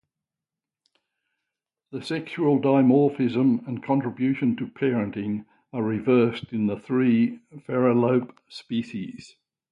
The sexual dimorphism and contribution to parenting are reversed in the three phalarope species.